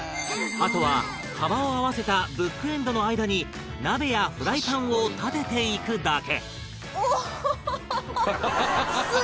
あとは幅を合わせたブックエンドの間に鍋やフライパンを立てていくだけ